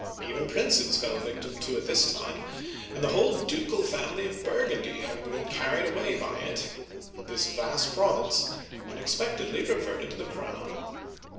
Even princes fell victims to it this time, and the whole ducal family of Burgundy having been carried away by it, this vast province unexpectedly reverted to the crown.